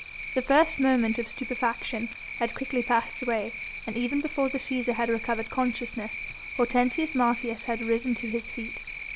The first moment of stupefaction had quickly passed away, and even before the Cæsar had recovered consciousness Hortensius Martius had risen to his feet.